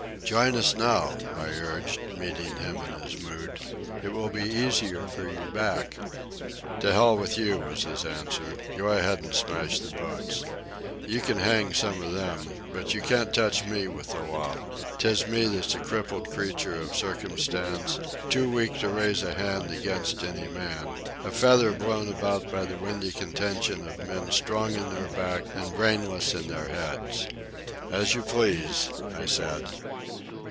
"Join us now," I urged, meeting him in his mood. "It will be easier for your back." "To hell with you," was his answer. "Go ahead an' smash the boats. You can hang some of them. But you can't touch me with the law. 'Tis me that's a crippled creature of circumstance, too weak to raise a hand against any man—a feather blown about by the windy contention of men strong in their back an' brainless in their heads." "As you please," I said.